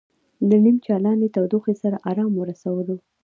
له نیم چالانې تودوخې سره ارام ورسولو.